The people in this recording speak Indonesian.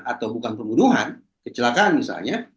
atau bukan pembunuhan kecelakaan misalnya